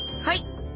はい！